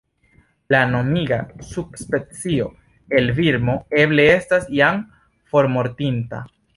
La nomiga subspecio el Birmo eble estas jam formortinta.